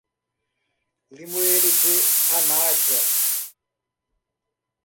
Limoeiro de Anadia